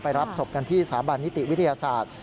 รับศพกันที่สถาบันนิติวิทยาศาสตร์